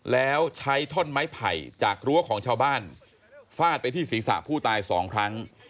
แล้วใช้ท่อนไม้ไผ่จากรั้วของชาวบ้านฟาดไปที่ศีรษะผู้ตายสองครั้ง